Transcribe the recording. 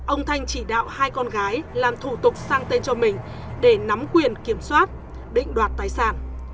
ông thanh chỉ đạo hai con gái làm thủ tục sang tên cho mình để nắm quyền kiểm soát định đoạt tài sản